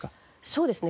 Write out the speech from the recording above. そうですね。